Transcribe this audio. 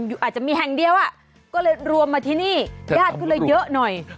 อาจจะมีแห่งเดียวอ่ะก็เลยรวมมาที่นี่ญาติก็เลยเยอะหน่อย